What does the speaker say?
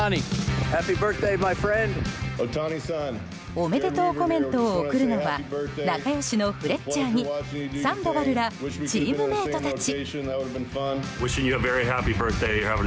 おめでとうコメントを送るのは仲良しのフレッチャーにサンドバルらチームメートたち。